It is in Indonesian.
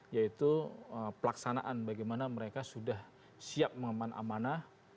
yaitu pelaksanaan bagaimana mereka sudah siap mengaman amanah